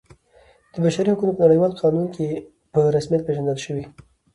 د بشري حقونو په نړیوال قانون کې په رسمیت پیژندل شوی.